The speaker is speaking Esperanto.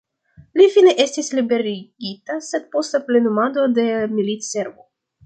Li fine estis liberigita, sed post plenumado de militservo.